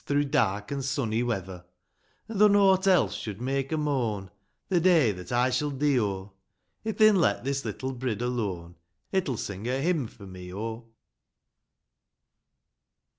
Through dark an' sunny weather : An' though nought else should make a moaa The day that I shall dee, oh, If they'n let this Uttle brid alone It'll sing a hymn for me, oh